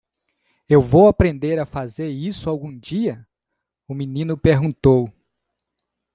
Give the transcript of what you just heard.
"Eu vou aprender a fazer isso algum dia??", O menino perguntou.